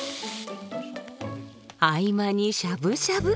合間にしゃぶしゃぶ。